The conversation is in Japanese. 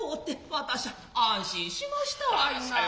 私しゃ安心しましたわいなア。